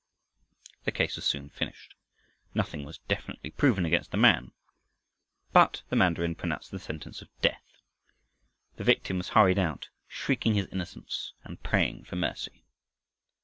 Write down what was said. The case was soon finished. Nothing was definitely proven against the man. But the mandarin pronounced the sentence of death. The victim was hurried out, shrieking his innocence, and praying for mercy.